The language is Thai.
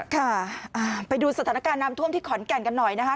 ค่ะไปดูสถานการณ์น้ำท่วมที่ขอนแก่นกันหน่อยนะคะ